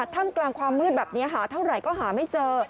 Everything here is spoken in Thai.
ถ้ำกลางความมืดแบบนี้หาเท่าไหร่ก็หาไม่เจอ